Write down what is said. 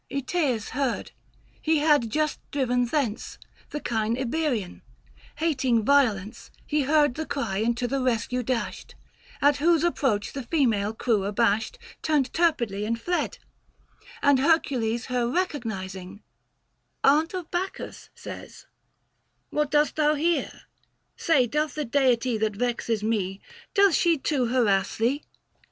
(Etaaus heard ; he had just driven thence The kine Iberian ; hating violence, 620 He heard the cry and to the rescue dashed ; At w r hose approach the female crew abashed Turned turpidly and fled ; and Hercules Her recognising, "Aunt of Bacchus," says, I What dost thou here ? say, doth the deity 625 That vexes me, doth she too harass thee?"